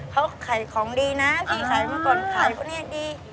เขาขายของดีนะพี่ขายมาก่อนขายพวกนี้ดี